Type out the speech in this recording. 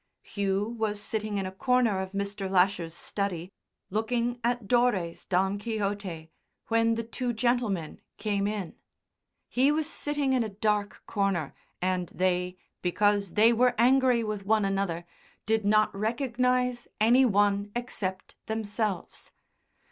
Hugh was sitting in a corner of Mr. Lasher's study, looking at Doré's "Don Quixote," when the two gentlemen came in. He was sitting in a dark corner and they, because they were angry with one another, did not recognise any one except themselves.